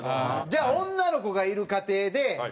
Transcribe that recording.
じゃあ女の子がいる家庭でねっ？